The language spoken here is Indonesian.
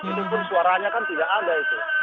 itu pun suaranya kan tidak ada itu